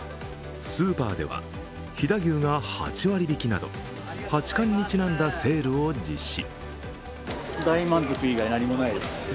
スーパーでは飛騨牛が８割引きなど、八冠にちなんだセールを実施。